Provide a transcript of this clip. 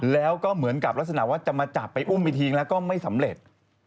แล้วก็เหมือนกับลักษณะว่าจะมาจับไปอุ้มอีกทีแล้วก็ไม่สำเร็จ